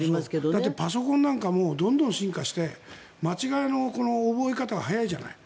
だってパソコンなんかもどんどん進化して間違いの覚え方が早いじゃない。